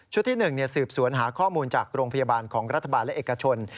ที่๑สืบสวนหาข้อมูลจากโรงพยาบาลของรัฐบาลและเอกชน